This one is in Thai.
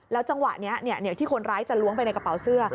จังหวะนี้เดี๋ยวที่คนร้ายจะล้วงไปในกระเป๋าเสื้อ